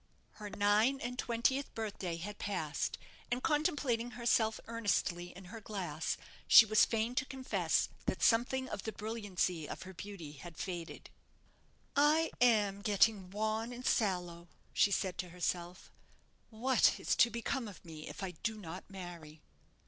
Her nine and twentieth birthday had passed; and contemplating herself earnestly in her glass, she was fain to confess that something of the brilliancy of her beauty had faded. "I am getting wan and sallow," she said to herself; "what is to become of me if I do not marry?"